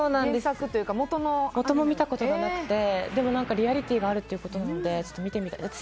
元のアニメも見たことなくてでも、リアリティーがあるということなので見てみたいです。